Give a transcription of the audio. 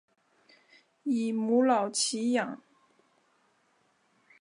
以母老乞养。